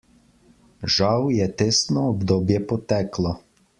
Žal je testno obdobje poteklo.